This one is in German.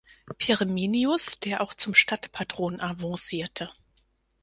Pirminius, der auch zum Stadtpatron avancierte.